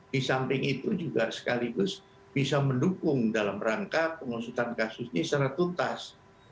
di samping itu juga sekaligus bisa mendukung dalam rangka pengusutan kasus ini secara tuntas